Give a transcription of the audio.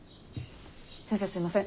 先生すいません。